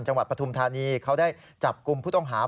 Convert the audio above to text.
จังหวัดพระธุมธาณีเขาได้จับกลุ่มผู้ต้องหา